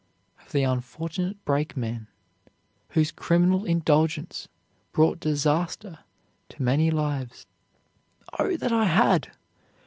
of the unfortunate brakeman, whose criminal indulgence brought disaster to many lives. "Oh, that I had!"